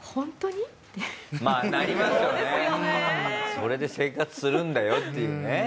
それで生活するんだよっていうね。